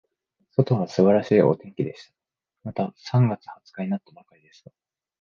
外は素晴らしいお天気でした。まだ三月二十日になったばかりですが、